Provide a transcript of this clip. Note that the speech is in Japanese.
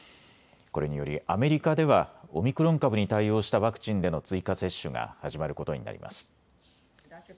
これによりアメリカではオミクロン株に対応したワクチンでの追加接種が始まることになります。